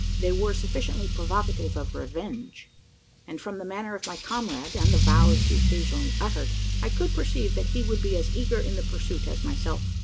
They were sufficiently provocative of revenge; and, from the manner of my comrade, and the vows he occasionally uttered, I could perceive that he would be as eager in the pursuit as myself.